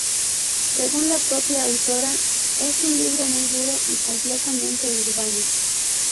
Según la propia autora es un libro muy duro, y completamente urbano.